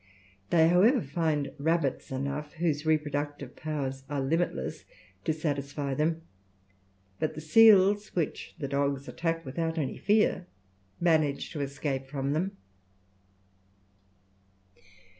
They, however, find rabbits enough, whose reproductive powers are limitless, to satisfy them; but the seals, which the dogs attack without any fear, manage to escape from them.